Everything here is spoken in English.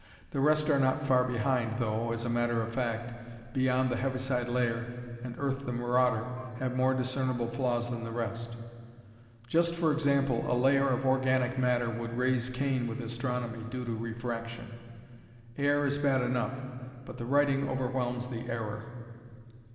The rest are not far behind, though, as a matter of fact, "Beyond the Heaviside Layer" and "Earth, the Marauder" have more discernible flaws than the rest. Just for example, a layer of organic matter would raise Cain with astronomy, due to refraction. Air is bad enough. But the writing overwhelms the error.